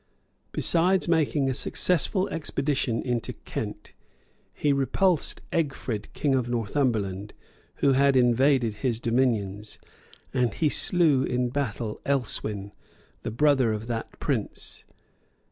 Besides making a successful expedition into Kent, he repulsed Egfrid, king of Northumberland, who had invaded his dominions; and he slew in battle Elswin, the brother of that prince.